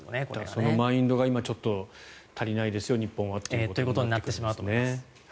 そのマインドが今ちょっと足りないですよ、日本はと。ということになってしまうと思います。